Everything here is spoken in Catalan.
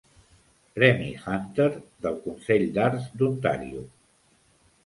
Premi Hunter del Consell d'Arts d'Ontario.